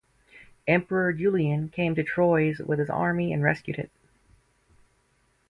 Emperor Julian came to Troyes with his army and rescued it.